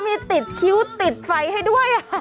มีติดคิ้วติดไฟให้ด้วย